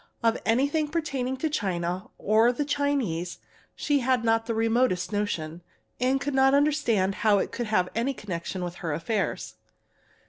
Of anything pertaining to China or the Chinese she had not the remotest notion, and could not understand how it could have any connection with her affairs.